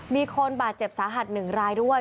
มีคนบาดเจ็บสาหัส๑รายด้วย